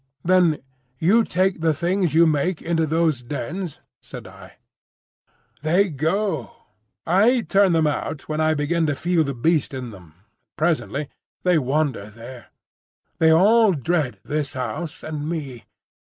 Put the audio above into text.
"Then you take the things you make into those dens?" said I. "They go. I turn them out when I begin to feel the beast in them, and presently they wander there. They all dread this house and me.